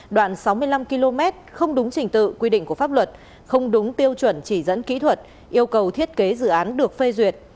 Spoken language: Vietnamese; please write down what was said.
đoạn sáu mươi năm km không đúng trình tự quy định của pháp luật không đúng tiêu chuẩn chỉ dẫn kỹ thuật yêu cầu thiết kế dự án được phê duyệt